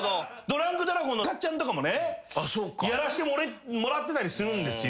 ドランクドラゴンの塚っちゃんとかもねやらしてもらってたりするんです。